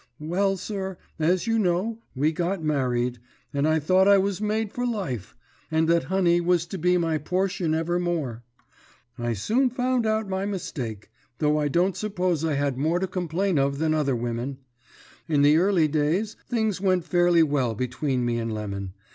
Well, sir, as you know, we got married, and I thought I was made for life, and that honey was to be my portion evermore. I soon found out my mistake, though I don't suppose I had more to complain of than other women. In the early days things went fairly well between me and Lemon.